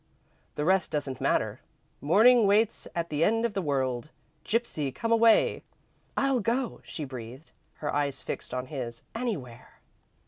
"The rest doesn't matter. 'Morning waits at the end of the world Gypsy, come away!'" "I'll go," she breathed, her eyes fixed on his, "anywhere!"